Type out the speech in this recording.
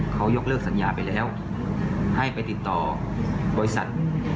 เขายกเลิกสัญญาไปแล้วให้ไปติดต่อบริษัท